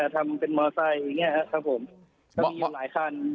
ทำเป็นมอเตอร์ไซด์มีหลายคัน